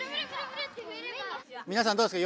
みなさんどうですか？